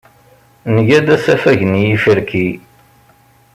Nga-d asafag n yiferki.